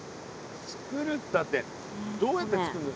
つくるったってどうやってつくんの？